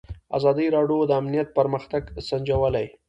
ازادي راډیو د امنیت پرمختګ سنجولی.